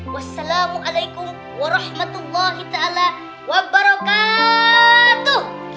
wassalamualaikum warahmatullahi ta'ala wabarakatuh